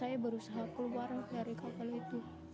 saya berusaha keluar dari kapal itu